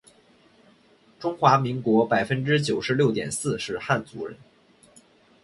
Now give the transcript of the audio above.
中华民国百分之九十六点四是汉族人